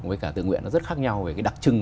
với cả tự nguyện nó rất khác nhau về cái đặc trưng